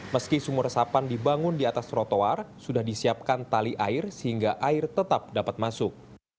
meski sumur resapan dibangun di atas trotoar sudah disiapkan tali air sehingga air tetap dapat masuk